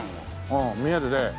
ああ見えるねえ。